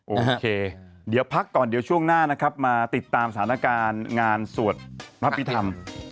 โอเคเดี๋ยวพักก่อนเดี๋ยวช่วงหน้านะครับมาติดตามสถานการณ์งานสวดพระพิธรรม